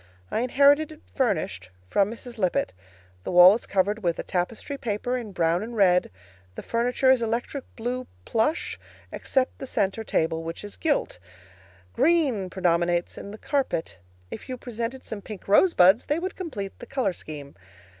I inherited it, furnished, from Mrs. Lippett. The wall is covered with a tapestry paper in brown and red; the furniture is electric blue plush, except the center table, which is gilt. Green predominates in the carpet. If you presented some pink rosebuds, they would complete the color scheme.